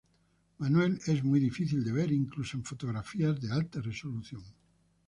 Manuel es muy difícil de ver, incluso en fotografías de alta resolución.